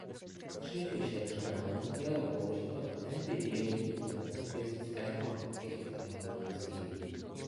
Při vyšetřování bylo použito tehdy běžných metod fyzického a psychického násilí.